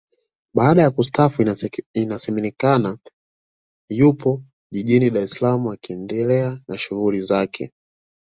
Baada kustaafu inasemekana yupo jijini Dar es Salaam akiendelea na shughuli zake